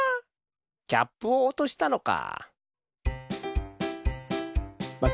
キャップをおとしたのか。